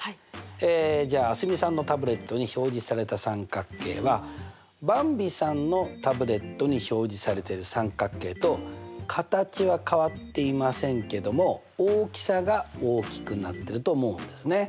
じゃあ蒼澄さんのタブレットに表示された三角形はばんびさんのタブレットに表示されてる三角形と形は変わっていませんけども大きさが大きくなってると思うんですね。